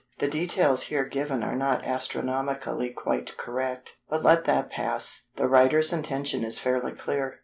The details here given are not astronomically quite correct, but let that pass; the writer's intention is fairly clear.